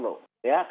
ini kasusnya berlaku